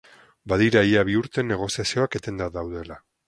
Badira ia bi urte negoziazioak etenda daudela.